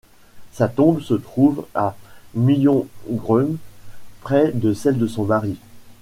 Sa tombe se trouve à Myongreung, près de celle de son mari.